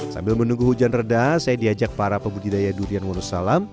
sambil menunggu hujan reda saya diajak para pembudidaya durian wonosalam